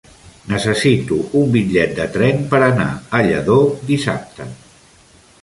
Necessito un bitllet de tren per anar a Lladó dissabte.